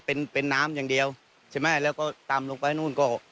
เป็นเป็นน้ำอย่างเดียวใช่ไหมแล้วก็ตำลงไปนู่นก็